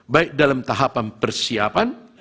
baik dalam tahapan persiapan